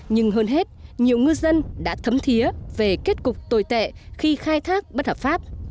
nhưng hơn hết nhiều ngư dân đã thấm thiế về kết cục tồi tệ khi khai thác bất hợp pháp